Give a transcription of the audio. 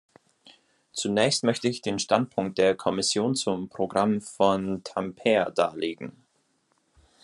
Zunächst möchte ich den Standpunkt der Kommission zum Programm von Tampere darlegen.